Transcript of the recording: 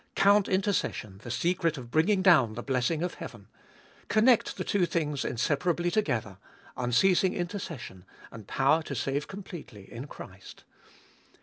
Count intercession the secret of bringing down the blessing of heaven. Connect the two things inseparably together— unceasing intercession and power to save completely in Christ.